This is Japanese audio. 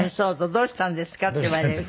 「どうしたんですか？」って言われる。